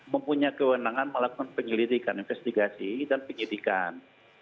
mempunyai kewenangan melakukan penyelidikan investigasi dan penyidikan